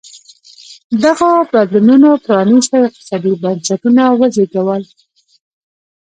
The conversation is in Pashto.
دغو بدلونونو پرانېستي اقتصادي بنسټونه وزېږول.